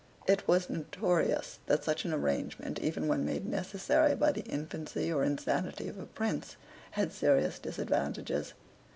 It was notorious that such an arrangement, even when made necessary by the infancy or insanity of a prince, had serious disadvantages.